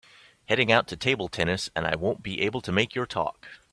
Heading out to table tennis and I won’t be able to make your talk.